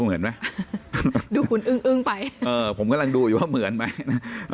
เหมือนไหมดูคุณอึ้งอึ้งไปเออผมกำลังดูอยู่ว่าเหมือนไหมนะ